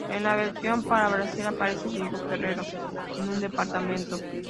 En la versión para Brasil aparece Diego Ferrero en un departamento.